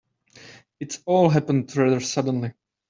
It all happened rather suddenly.